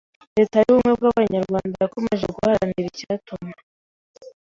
Leta y’Ubumwe bw’Abanyarwanda yakomeje guharanira icyatuma